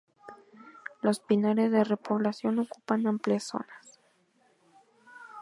Los pinares de repoblación ocupan amplias zonas.